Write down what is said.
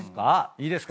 いいですか？